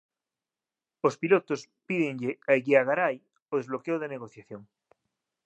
Os pilotos pídenlle a Eguiagaray o desbloqueo da negociación